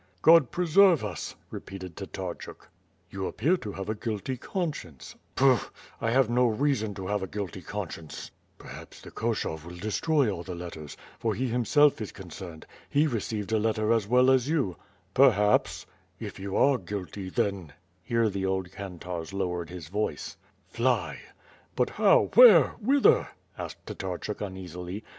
"God preserve us!' 'repeated Tatarchuk. "You appear to have a guilty conscience." 'Tooh! I have no reason to have a guilty conscience." "Perhaps the Koshov will destroy all the letters, for he 1 Inspector of weights and measures at Sich. 127 128 WITH FIRE AND SWORD, himself is concerned. lie received a letter as well as you.* "Perhaps/' "If you are guilty, then. ..." Here the old kantarz lowered his voice. "Fly!" "But how, where, whither?" asked Tatarchuk uneasily.